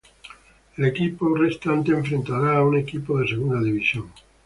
El equipo restante enfrentará a un equipo de Segunda División.